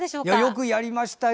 よくやりましたよ。